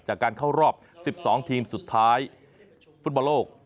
จากการเข้ารอบ๑๒ทีมสุดท้ายฟุตบอลโลก